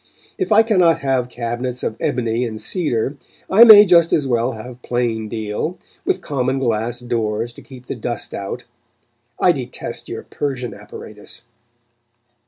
If I cannot have cabinets of ebony and cedar, I may just as well have plain deal, with common glass doors to keep the dust out. I detest your Persian apparatus.